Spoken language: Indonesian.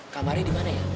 kamarnya dimana ya